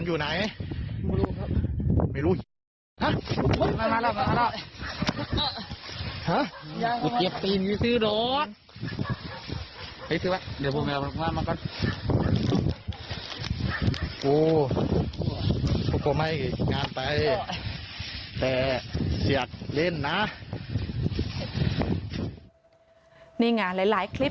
นี่ไงหลายคลิป